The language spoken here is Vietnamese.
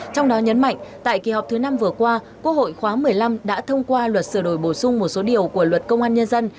trong đó nhấn mạnh tại kỳ họp thứ năm vừa qua quốc hội khóa một mươi năm đã thông qua luật sửa đổi bổ sung một số điều của luật công an nhân dân